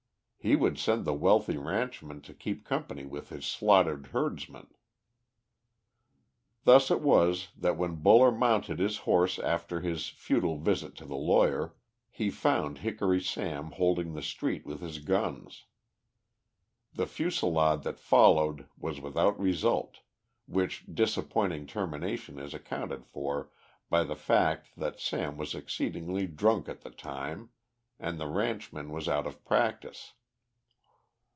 He would send the wealthy ranchman to keep company with his slaughtered herdsmen. Thus it was that when Buller mounted his horse after his futile visit to the lawyer, he found Hickory Sam holding the street with his guns. The fusillade that followed was without result, which disappointing termination is accounted for by the fact that Sam was exceedingly drunk at the time, and the ranchman was out of practice.